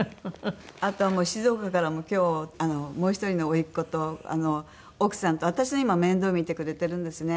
あとはもう静岡からも今日もう１人の甥っ子と奥さんと私の今面倒を見てくれてるんですね